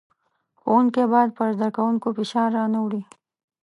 ښوونکی بايد پر زدکوونکو فشار را نۀ وړي.